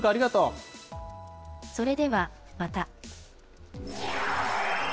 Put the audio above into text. それではまた。